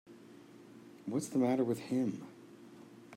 What's the matter with him.